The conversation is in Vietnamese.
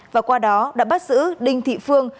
và qua đó đã bắt giữ đinh thị phương